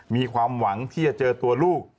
มีความหวังที่จะเจอตัวลูก